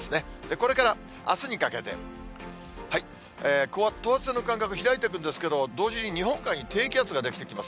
これからあすにかけて、等圧線の間隔、開いていくんですけれども、同時に日本海に低気圧が出来てきます。